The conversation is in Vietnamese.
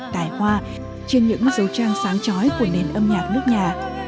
tài hoa trên những dấu trang sáng trói của nền âm nhạc nước nhà